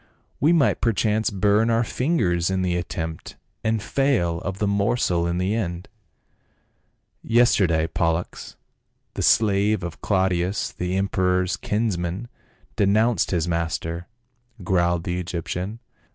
We might perchance burn our fingers in the attempt, and fail of the morsel in the end." " Yesterday Pollux, the slave of Claudius the em peror's kinsman, denounced his master," growled the Egyptian.